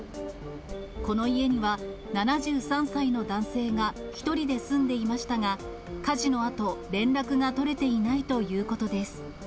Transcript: この家には、７３歳の男性が１人で住んでいましたが、火事のあと連絡が取れていないということです。